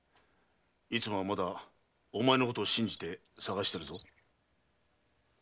逸馬はまだお前のことを信じて捜しているぞ。